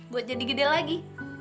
buat jadi gede lagi